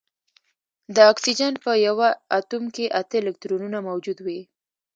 د اکسیجن په یوه اتوم کې اته الکترونونه موجود وي